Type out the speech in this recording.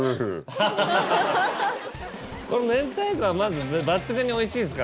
この明太子はまず抜群においしいですからね。